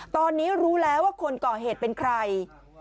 ตอนนี้รู้แล้วว่าคนก่อเหตุเป็นใคร